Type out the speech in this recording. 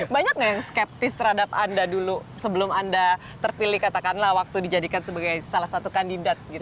banyak nggak yang skeptis terhadap anda dulu sebelum anda terpilih katakanlah waktu dijadikan sebagai salah satu kandidat gitu